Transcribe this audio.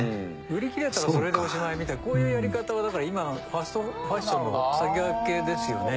「売り切れたらそれでおしまい」みたいなこういうやり方はだから今のファストファッションの先駆けですよね。